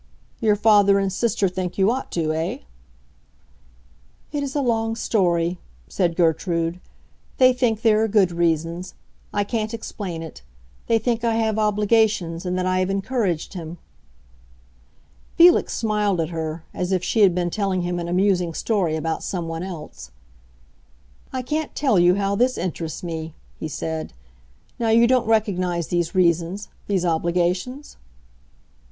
"Your father and sister think you ought to, eh?" "It is a long story," said Gertrude. "They think there are good reasons. I can't explain it. They think I have obligations, and that I have encouraged him." Felix smiled at her, as if she had been telling him an amusing story about someone else. "I can't tell you how this interests me," he said. "Now you don't recognize these reasons—these obligations?"